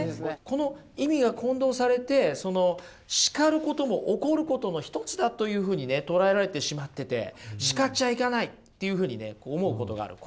この意味が混同されてその叱ることも怒ることの１つだというふうにね捉えられてしまってて叱っちゃいけないというふうにね思うことがある。